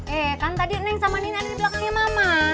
eh kan tadi neng sama nina di belakangnya mama